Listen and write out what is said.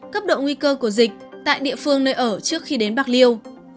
cấp độ nguy cơ của dịch tại địa phương nơi ở trước khi đến bạc liêu